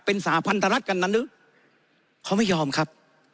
เป็นสหพันธรรมรัฐกันนั้นหรือเขาไม่ยอมครับ